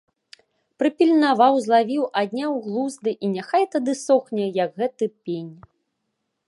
Прыпільнаваў, злавіў, адняў глузды і няхай тады сохне, як гэты пень!